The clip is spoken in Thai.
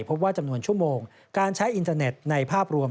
จำนวนชั่วโมงการใช้อินเทอร์เน็ตในภาพรวม